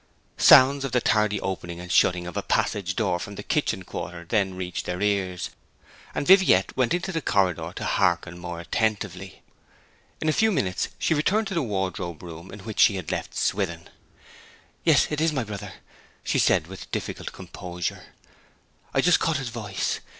Sounds of the tardy opening and shutting of a passage door from the kitchen quarter then reached their ears, and Viviette went into the corridor to hearken more attentively. In a few minutes she returned to the wardrobe room in which she had left Swithin. 'Yes; it is my brother!' she said with difficult composure. 'I just caught his voice.